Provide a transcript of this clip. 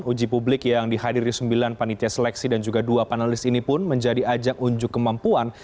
uji publik yang dihadiri sembilan panitia seleksi dan juga dua panelis ini pun menjadi ajang unjuk kemampuan